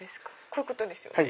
こういうことですよね？